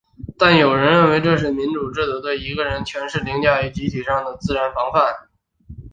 但有人认为这是民主制度对一个人权势凌驾于集体之上的自然防范。